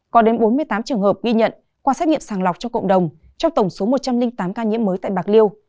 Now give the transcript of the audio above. có đến bốn mươi tám trường hợp ghi nhận qua xét nghiệm sàng lọc trong cộng đồng trong tổng số một trăm linh tám ca nhiễm mới tại bạc liêu